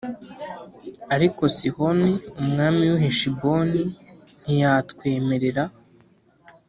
ariko sihoni umwami w’i heshiboni ntiyatwemerera